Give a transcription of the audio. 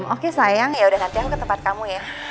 oke sayang yaudah nanti aku ke tempat kamu ya